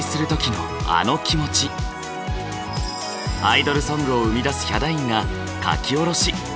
更にアイドルソングを生み出すヒャダインが書き下ろし。